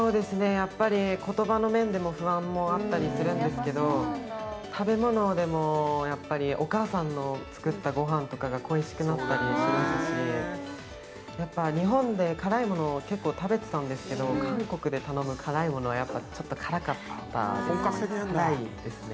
やっぱり言葉の面でも不安もあったりするんですけど食べ物でもやっぱりお母さんの作ったご飯とかが恋しくなったりしますしやっぱ日本で辛いものを結構食べてたんですけど韓国で頼む辛いものはやっぱちょっと辛かったですね